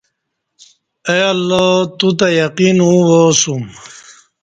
اے اللہ توتہ یقین اوں وا اسوم